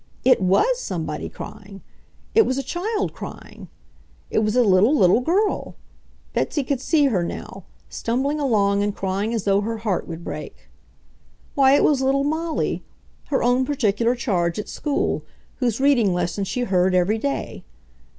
It WAS somebody crying! It was a child crying. It was a little, little girl.... Betsy could see her now ... stumbling along and crying as though her heart would break. Why, it was little Molly, her own particular charge at school, whose reading lesson she heard every day.